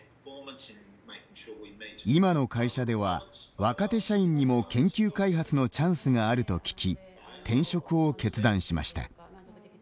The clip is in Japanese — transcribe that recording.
今の会社では、若手社員にも研究開発のチャンスがあると聞き転職を決断しました。